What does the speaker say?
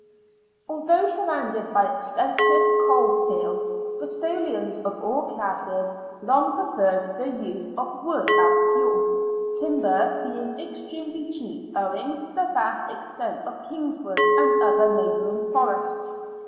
Although surrounded by extensive coal fields, Bristolians of all classes long preferred the use of wood as fuel, timber being extremel}^ cheap owing to the vast extent of Kingswood and other neighbouring forests.